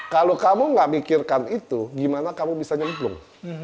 kalau kamu gak mikirkan itu gimana kamu bisa nyemplung